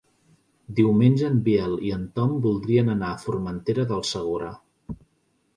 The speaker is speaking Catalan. Diumenge en Biel i en Tom voldrien anar a Formentera del Segura.